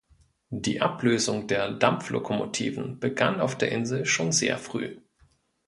Die Ablösung der Dampflokomotiven begann auf der Insel schon sehr früh.